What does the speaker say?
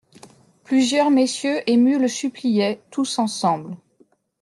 Plusieurs messieurs émus le suppliaient, tous ensemble.